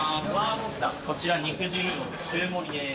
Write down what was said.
こちら肉汁うどん中盛りです。